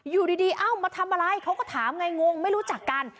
อยู่ดีเอ้ามาทำอะไรเขาก็ถามไงงงไม่รู้จักกัน